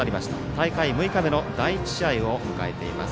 大会６日目の第１試合を迎えています。